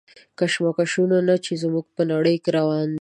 کشمکشونه چې زموږ په نړۍ کې روان دي.